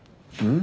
ん？